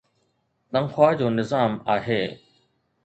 تنخواه جو نظام آهي.